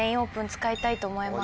使いたいと思います。